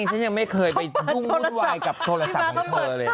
ฉันยังไม่เคยไปจุ่งพูดไวล์คุณกับโทรศัพท์ของเธอเลย